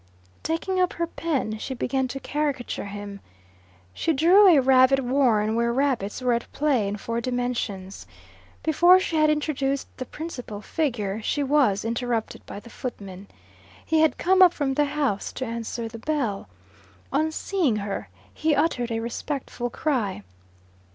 Taking up her pen, she began to caricature him. She drew a rabbit warren where rabbits were at play in four dimensions. Before she had introduced the principal figure, she was interrupted by the footman. He had come up from the house to answer the bell. On seeing her he uttered a respectful cry.